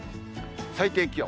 最低気温。